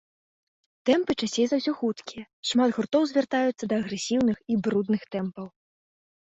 Тэмпы часцей за ўсё хуткія, шмат гуртоў звяртаюцца да агрэсіўных і брудных тэмпаў.